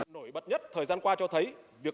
nổi bật nhất thời gian qua cho thấy